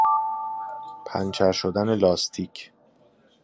پنچر شدن لاستیک.